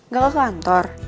gak ke kantor